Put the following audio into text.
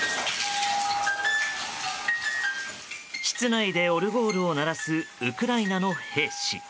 室内でオルゴールを鳴らすウクライナの兵士。